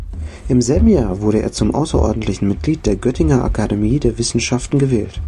Im selben Jahr wurde er zum außerordentlichen Mitglied der Göttinger Akademie der Wissenschaften gewählt.